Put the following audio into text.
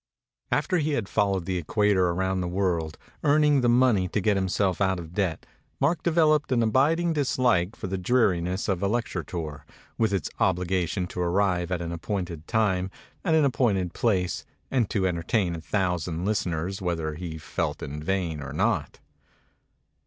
AFTER he had followed the equator around the world, earning the money to get himself out of debt, Mark developed an abiding dislike for the dreariness of a lecture tour, with its obliga tion to arrive at an appointed time at an ap pointed place, and to entertain a thousand lis teners whether he felt in vein or not.